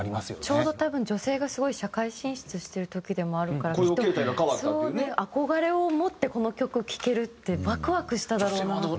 ちょうど多分女性がすごい社会進出してる時でもあるからきっとそういう憧れを持ってこの曲を聴けるってワクワクしただろうなと。